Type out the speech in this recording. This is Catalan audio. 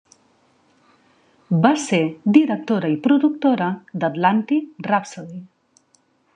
Va ser directora i productora d'"Atlantic Rhapsody".